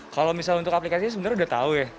kalau misalnya untuk aplikasinya sebenarnya udah tahu ya